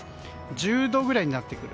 １０度くらいになってくる。